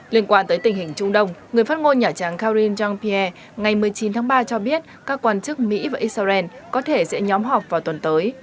liên quan tới tình hình trung đông người phát ngôn nhà trắng karine jean pierre ngày một mươi chín tháng ba cho biết các quan chức mỹ và israel có thể sẽ nhóm họp vào tuần tới